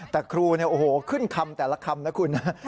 แต่ครูเนี่ยโอ้โหขึ้นคำแต่ละคำนะคุณนะ